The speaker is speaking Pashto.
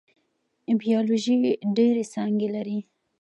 بیولوژي ډیرې څانګې لري